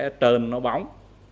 nó sẽ trời mà nó bóng